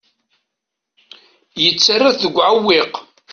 Yettarra-t deg uɛewwiq.